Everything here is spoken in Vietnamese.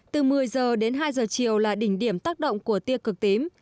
từ một mươi giờ đến hai giờ chiều là đỉnh điểm tác động của tia cực tím